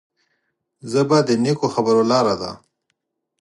ژبه د نیکو خبرو لاره ده